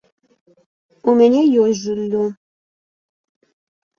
У мяне ёсць жыллё.